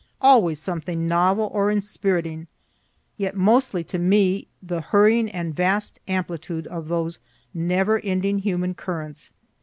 Always something novel or inspiriting; yet mostly to me the hurrying and vast amplitude of those never ending human currents.